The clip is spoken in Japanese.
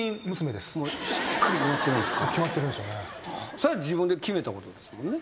それは自分で決めたことですもんね？